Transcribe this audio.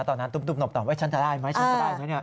ตอนนั้นตุ๊บหนบว่าฉันจะได้ไหม